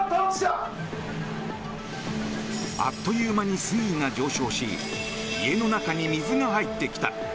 あっという間に水位が上昇し家の中に水が入ってきた。